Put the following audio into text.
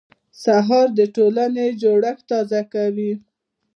سهار د ټولنې جوړښت تازه کوي.